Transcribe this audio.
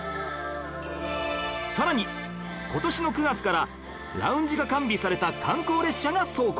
さらに今年の９月からラウンジが完備された観光列車が走行